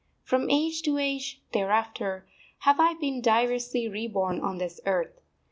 From age to age, thereafter, have I been diversely reborn on this earth.